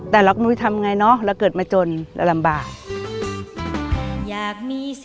แต่เราก็ไม่ว่าจะทำยังไงเนอะเราเกิดมาจนและลำบาก